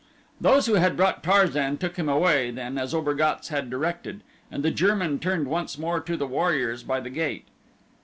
Those who had brought Tarzan took him away then as Obergatz had directed, and the German turned once more to the warriors by the gate.